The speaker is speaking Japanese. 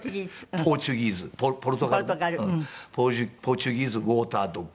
ポーチュギーズ・ウォーター・ドッグ。